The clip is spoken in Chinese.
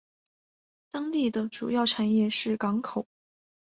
当地的主要产业是港口。